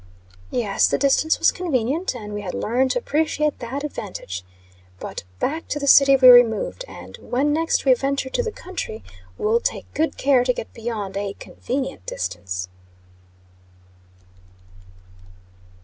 Yes, the distance was convenient; and we had learned to appreciate that advantage. But back to the city we removed; and, when next we venture to the country, will take good care to get beyond a convenient distance.